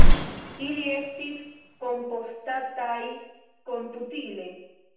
Ili estis kompostataj komputile.